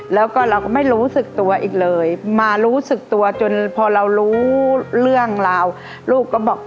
แล้วก็เราก็ไม่รู้สึกตัวอีกเลยมารู้สึกตัวจนพอเรารู้เรื่องราวลูกก็บอก